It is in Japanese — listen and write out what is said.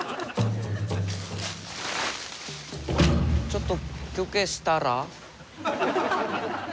ちょっと休憩したら？